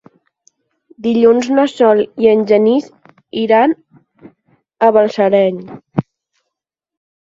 Dilluns na Sol i en Genís iran a Balsareny.